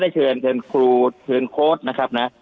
มาพบผมผมก็ได้เชิญครูเชิญโค้ดนะครับนะ